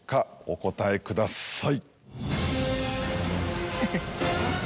お答えください。